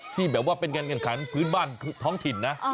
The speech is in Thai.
ที่แบบว่าเป็นการแข่งขันพื้นบ้านท้องถิ่นนะ